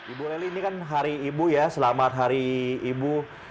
ibu leli ini kan hari ibu ya selamat hari ibu